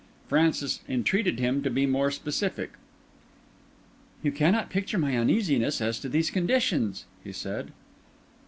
Francis entreated him to be more specific. "You cannot picture my uneasiness as to these conditions," he said.